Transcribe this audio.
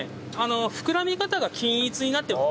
膨らみ方が均一になって丸く。